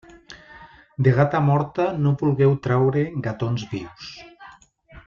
De gata morta no vulgueu traure gatons vius.